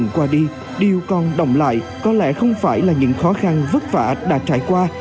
qua đi điều còn động lại có lẽ không phải là những khó khăn vất vả đã trải qua